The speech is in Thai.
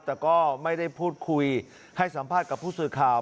แต่ก็ไม่ได้พูดคุยให้สัมภาษณ์กับผู้สื่อข่าว